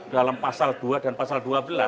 dalam pasal dua dan pasal dua belas